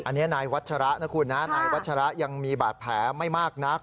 อันนี้นายวัชระนะคุณนะนายวัชระยังมีบาดแผลไม่มากนัก